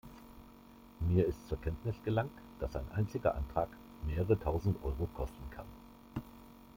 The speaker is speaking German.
Mir ist zur Kenntnis gelangt, dass ein einziger Antrag mehrere tausend Euro kosten kann.